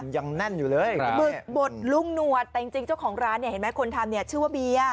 ยังแน่นอยู่เลยปึกบดลุงหนวดแต่จริงเจ้าของร้านคนทำชื่อว่าเบียร์